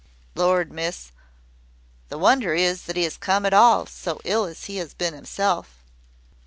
"Lord, Miss! the wonder is that he has come at all, so ill as he has been hisself."